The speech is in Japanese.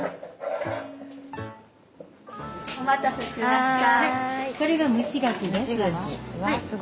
お待たせしました。